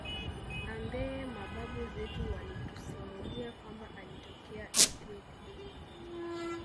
ambeye mababu zetu walitusimulia kwamba alitokea Ethiopia